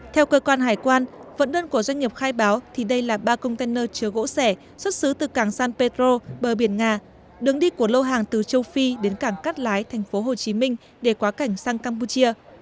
theo cơ quan hải quan vận đơn của doanh nghiệp khai báo thì đây là ba container chứa gỗ sẻ xuất xứ từ cảng san petro bờ biển nga đường đi của lô hàng từ châu phi đến cảng cát lái tp hcm để quá cảnh sang campuchia